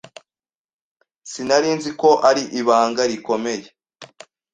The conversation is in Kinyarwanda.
Sinari nzi ko ari ibanga rikomeye.